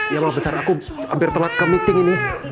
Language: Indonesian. ya maaf bentar aku hampir telat ke meeting ini